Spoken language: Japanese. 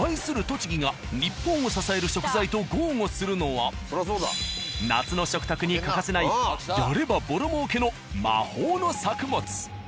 栃木が日本を支える食材と豪語するのは夏の食卓に欠かせないやればボロ儲けの魔法の作物。